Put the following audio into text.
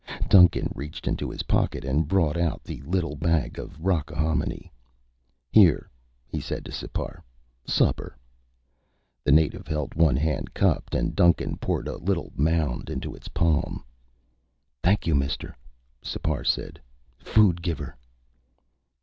Duncan reached into his pocket and brought out the little bag of rockahominy. "Here," he said to Sipar. "Supper." The native held one hand cupped and Duncan poured a little mound into its palm. "Thank you, mister," Sipar said. "Food giver."